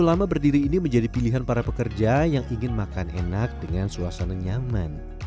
selama berdiri ini menjadi pilihan para pekerja yang ingin makan enak dengan suasana nyaman